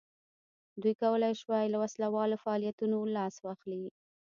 دوی کولای شوای له وسله والو فعالیتونو لاس واخلي.